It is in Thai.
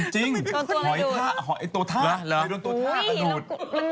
จริงหอยตัวท่าก็ดูด